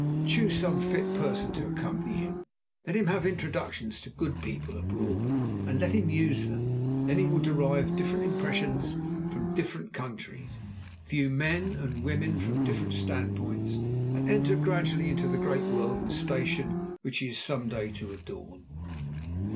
Choose some fit person to accompany him. Let him have introductions to good people abroad, and let him use them; then he will derive different impressions from different countries, view men and women from different standpoints, and enter gradually into the great world and station which he is some day to adorn."